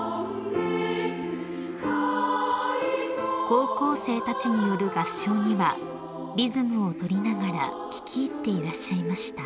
［高校生たちによる合唱にはリズムを取りながら聞き入っていらっしゃいました］